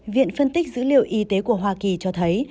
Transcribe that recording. viện phân tích dữ liệu y tế của hoa kỳ cho thấy